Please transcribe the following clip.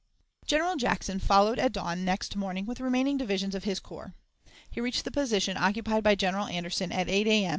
General Jackson followed at dawn next morning with the remaining divisions of his corps. He reached the position occupied by General Anderson at 8 A.M.